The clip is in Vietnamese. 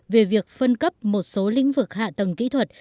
bốn một hai nghìn một mươi sáu về việc phân cấp một số lĩnh vực hạ tầng kỹ thuật